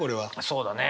そうだね。